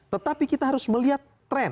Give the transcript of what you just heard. tetapi kita harus melihat tren